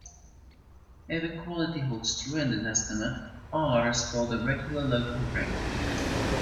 If equality holds true in this estimate, "R" is called a regular local ring.